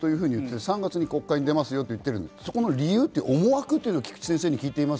３月に国会に出ますよと言ってるその理由、思惑というのを菊地先生に聞いてます。